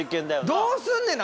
どうすんねんな。